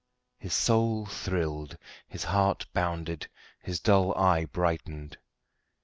His soul thrilled, his heart bounded, his dull eye brightened.